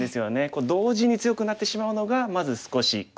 同時に強くなってしまうのがまず少し悔しい。